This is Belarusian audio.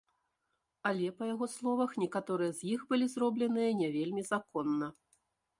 Але, па яго словах, некаторыя з іх былі зробленыя не вельмі законна.